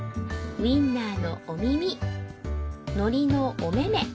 ウインナーのお耳海苔のおめめ